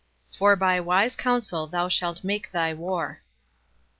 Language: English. For by wise counsel thou shalt make thy "war."